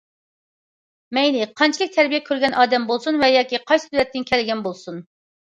مەيلى قانچىلىك تەربىيە كۆرگەن ئادەم بولسۇن ۋە ياكى قايسى دۆلەتتىن كەلگەن بولسۇن.